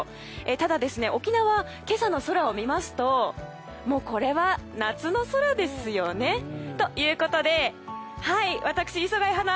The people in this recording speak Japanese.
ただ、沖縄は今朝の空を見ますともうこれは夏の空ですよね。ということで、私、磯貝初奈